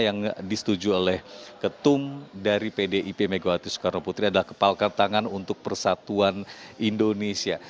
yang disetujui oleh ketum dari pdip megawati soekarno putri adalah kepalkan tangan untuk persatuan indonesia